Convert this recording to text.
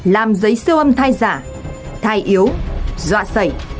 làm giấy siêu âm thai giả thai yếu dọa sẩy